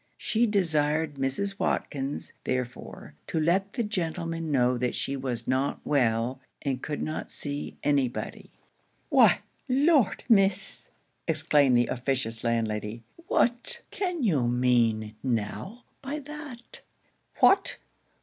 She desired Mrs. Watkins, therefore, to let the gentleman know that she was not well, and could not see any body. 'Why, Lord, Miss!' exclaimed the officious landlady, 'what can you mean now by that? What!